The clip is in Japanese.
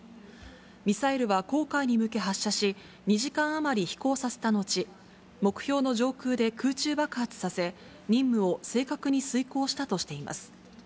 ミサイルは黄海に向け発射し、２時間余り飛行させた後、目標の上空で空中爆発させ、任務を正確に遂行したとしています。